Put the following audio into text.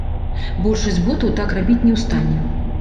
Большасць ботаў так рабіць не ў стане.